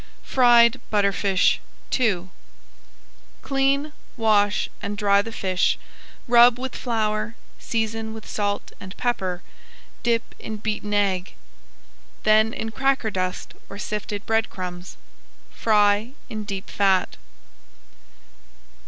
FRIED BUTTERFISH II Clean, wash and dry the fish, rub with flour, season with salt and pepper, dip in beaten egg, then in cracker dust or sifted bread crumbs. Fry in deep fat.